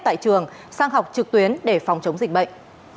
tại trường sang học trực tuyến để phòng chống dịch bệnh